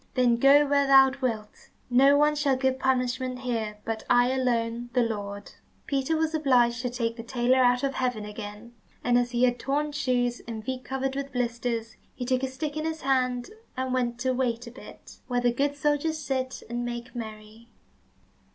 Then go where thou wilt. No one shall give punishment here, but I alone, the Lord." Peter was obliged to take the tailor out of heaven again, and as he had torn shoes, and feet covered with blisters, he took a stick in his hand, and went to "Wait a bit," where the good soldiers sit and make merry.